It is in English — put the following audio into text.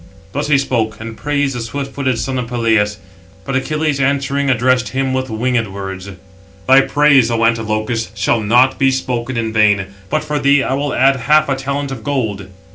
Thus he spoke; and praised the swift footed son of Peleus. But Achilles, answering, addressed him with words: "Thy praise, O Antilochus, shall not be spoken in vain, but for thee I will add half a talent of gold."